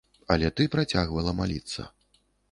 Але ты працягвала маліцца.